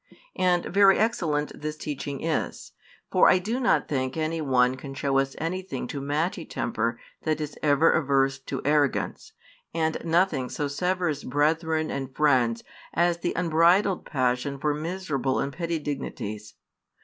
And very excellent this teaching is: for I do not think anyone can shew us anything to match a temper that is ever averse to arrogance; and nothing so severs brethren and friends as the unbridled passion for miserable and petty dignities.